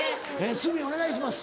鷲見お願いします。